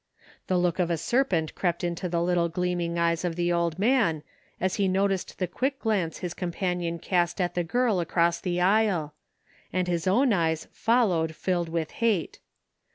The look of a serpent crept into the little gleaming eyes of the old man as he noticed the quick glance his companion cast at the g^rl across the aisle; and his owi^ eyes followed filled with hate.